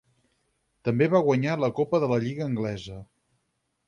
També va guanyar la Copa de la Lliga anglesa.